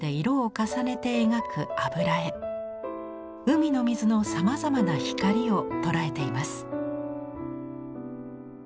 海の水のさまざまな光を捉えています。